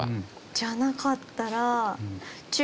じゃなかったら。